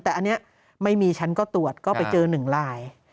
แต่อันนี้ไม่มีฉันก็ตรวจก็ไปเจอ๑ลาย